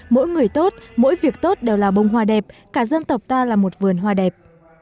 mỗi người tốt mỗi việc tốt đều là bông hoa đẹp cả dân tộc ta là một vườn hoa đẹp